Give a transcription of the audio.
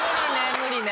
無理ね。